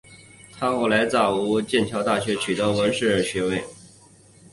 她后来再从剑桥大学取得文学硕士学位。